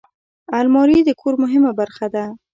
الماري د کور مهمه برخه ده